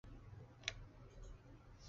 山东半岛属暖温带湿润季风气候。